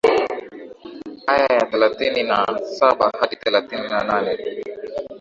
aya ya thelathini na saba hadi thelathini na nane